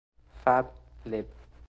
Fab., lib.